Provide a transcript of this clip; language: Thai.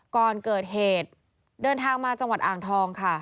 ก่อนเกิดเหตุเดินทางมาจังหวัดอ่างทองค่ะ